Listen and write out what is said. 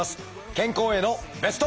健康へのベスト。